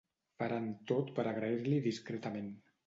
Faran tot per agrair-li discretament.